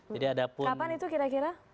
kapan itu kira kira